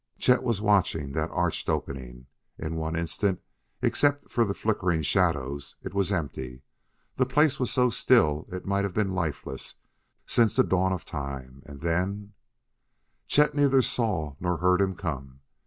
Chet was watching that arched opening. In one instant, except for the flickering shadows, it was empty; the place was so still it might have been lifeless since the dawn of time. And then Chet neither saw nor heard him come.